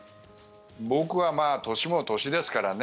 僕は年も年ですからね。